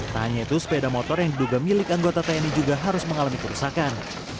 tak hanya itu sepeda motor yang diduga milik anggota tni juga harus mengalami kerusakan